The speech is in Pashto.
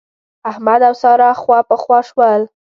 احمد او سارا خواپخوا شول.